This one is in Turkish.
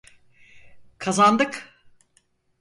Kazandık!